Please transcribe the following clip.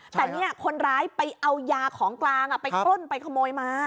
แต่เนี่ยคนร้ายไปเอายาของกลางไปปล้นไปขโมยมา